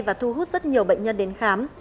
và thu hút rất nhiều bệnh nhân đến khám